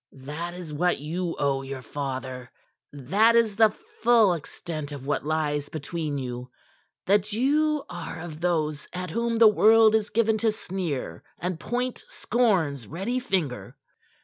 "That is what you owe your father; that is the full extent of what lies between you that you are of those at whom the world is given to sneer and point scorn's ready finger."